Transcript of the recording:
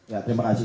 ya terima kasih